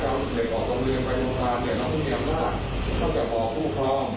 เด็กน้องพยาบาลต้องจะบอกผู้พร้อมและถ้าผู้พร้อมขอร้องให้เราไปถ้าผู้พร้อมอาธิบาย